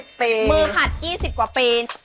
มือผัด๒๐กว่าปี